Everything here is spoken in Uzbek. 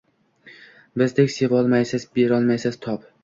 Bizdek sevolmaysiz, berolmaysiz tob